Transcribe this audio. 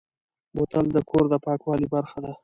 بوتل د کور د پاکوالي برخه ده.